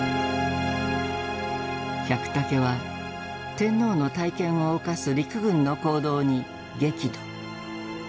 百武は天皇の大権を犯す陸軍の行動に激怒。